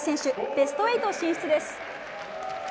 ベスト８進出です。